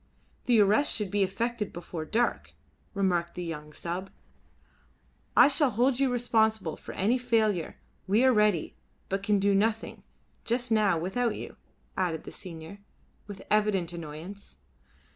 "The arrest should be effected before dark," remarked the young sub. "I shall hold you responsible for any failure. We are ready, but can do nothing just now without you," added the senior, with evident annoyance.